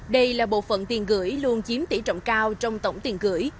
đây là bộ phận tiền gửi luôn chiếm tỷ trọng cao trong tổng tiền gửi